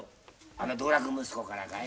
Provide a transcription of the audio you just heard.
あの道楽息子からかい？